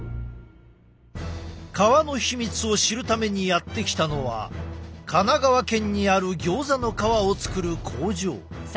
皮の秘密を知るためにやって来たのは神奈川県にあるギョーザの皮を作る工場。